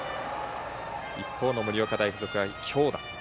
一方の盛岡大付属の強打。